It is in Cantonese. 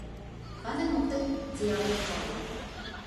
反正目的只有一個吧